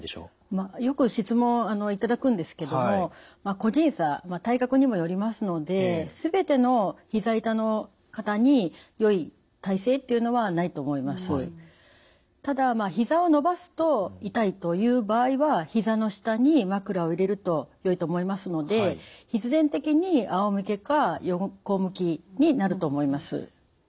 まあよく質問頂くんですけども個人差体格にもよりますのでただひざを伸ばすと痛いという場合はひざの下に枕を入れるとよいと思いますので必然的にあおむけか横向きになると思います。